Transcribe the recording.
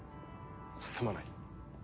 すまない。